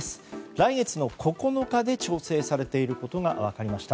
来月の９日で調整されていることが分かりました。